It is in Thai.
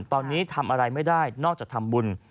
ตอนนี้ทำอะไรไม่ได้นอกจากทำบุญ